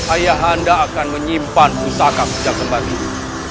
ayah anda akan menyimpan usaha kembar ini